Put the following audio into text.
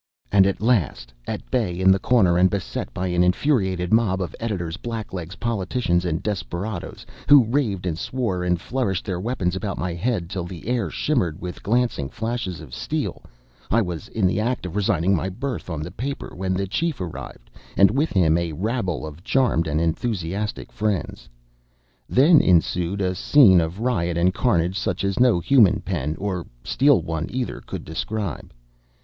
And at last, at bay in the corner, and beset by an infuriated mob of editors, blacklegs, politicians, and desperadoes, who raved and swore and flourished their weapons about my head till the air shimmered with glancing flashes of steel, I was in the act of resigning my berth on the paper when the chief arrived, and with him a rabble of charmed and enthusiastic friends. Then ensued a scene of riot and carnage such as no human pen, or steel one either, could describe.